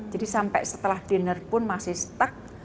jadi sampai setelah diner pun masih stuck